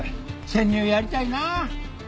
潜入やりたいなあ。